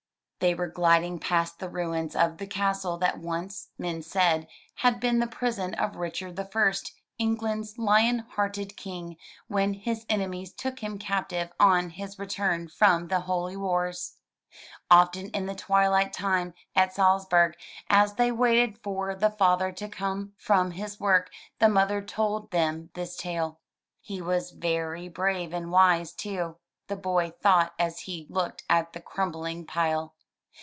They were gliding past the ruins of the castle that once, men said, had been the prison of Richard the First, England's Lion Hearted King, when his enemies took him captive on his return from the holy wars. Often in the twilight time at Salzburg, as they waited for the father to come from his work, the mother told them his tale. "He was very brave and wise, too," the boy thought as he looked at the crumbUng pile.